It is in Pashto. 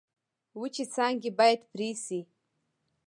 وچې څانګې باید پرې شي.